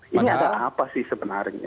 ini ada apa sih sebenarnya